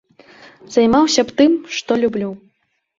Займаўся б тым, што люблю.